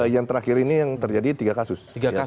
yang terakhir ini yang terjadi tiga kasus